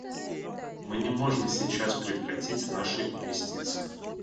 Мы не можем сейчас прекратить наши инвестиции.